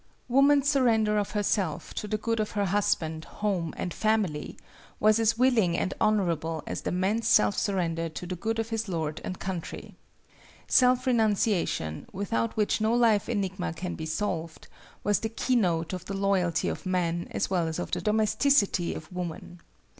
Woman's surrender of herself to the good of her husband, home and family, was as willing and honorable as the man's self surrender to the good of his lord and country. Self renunciation, without which no life enigma can be solved, was the keynote of the Loyalty of man as well as of the Domesticity of woman.